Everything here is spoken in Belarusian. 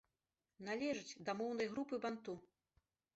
Належыць да моўнай групы банту.